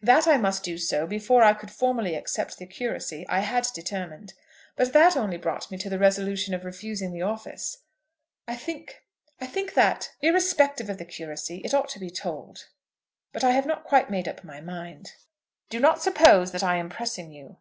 That I must do so before I could formally accept the curacy I had determined. But that only brought me to the resolution of refusing the office. I think, I think that, irrespective of the curacy, it ought to be told. But I have not quite made up my mind." "Do not suppose that I am pressing you."